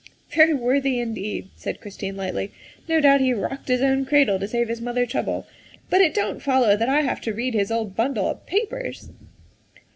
''' Very worthy, indeed," returned Christine lightly. " No doubt he rocked his own cradle to save his mother trouble. But it don't follow that I have to read his old bundle of papers."